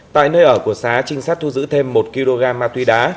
tại nơi ở của sá trinh sát thu giữ thêm một kg ma túy đá